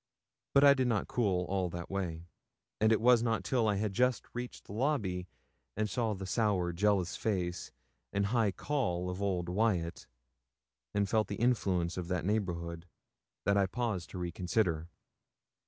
But I did not cool all that way; and it was not till I had just reached the lobby, and saw the sour, jealous face, and high caul of old Wyat, and felt the influence of that neighbourhood, that I paused to reconsider.